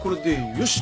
よし。